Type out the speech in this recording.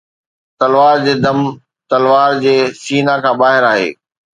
تلوار جي دم تلوار جي سينه کان ٻاهر آهي